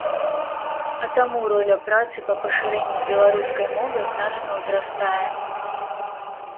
А таму роля працы па пашырэнні беларускай мовы значна ўзрастае.